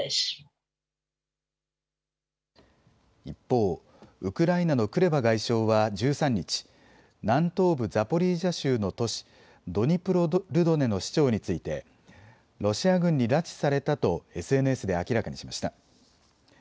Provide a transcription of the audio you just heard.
一方、ウクライナのクレバ外相は１３日、南東部ザポリージャ州の都市、ドニプロルドネの市長についてロシア軍に拉致されたとＳＮＳで明らかにしました。